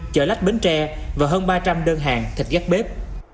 chợ lách bến tre và hơn ba trăm linh đơn hàng thịt gác bếp